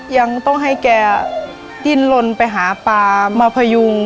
ยังต้องให้แกดิ้นลนไปหาปลามาพยุง